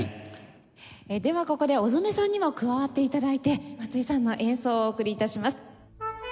ではここで小曽根さんにも加わって頂いて松井さんの演奏をお送り致します。